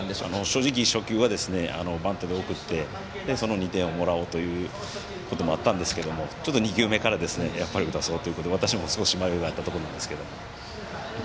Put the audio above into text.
正直初球はバントで送ってその２点をいこうということもあったんですけどちょっと２球目から、やっぱり打たせようというところで私も迷いがあったところなんですけど。